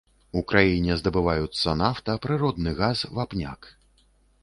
У краіне здабываюцца нафта, прыродны газ, вапняк.